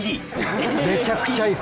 めちゃくちゃいい！